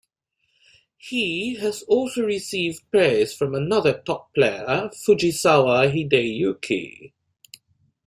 He has also received praise from another top player, Fujisawa Hideyuki.